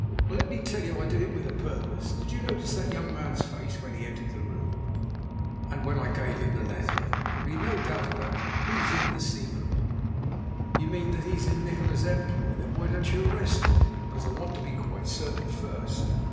"Well, let me tell you I did it with a purpose. Did you notice that young man's face when he entered the room and when I gave him the letter? There can be no doubt about it, he is in the secret." "You mean that he is in Nikola's employ? Then why don't you arrest him?" "Because I want to be quite certain first.